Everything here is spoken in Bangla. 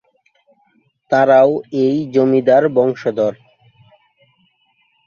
তারাও এই জমিদার বংশধর।